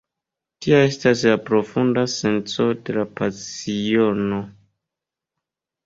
Tia estas la profunda senco de la pasiono.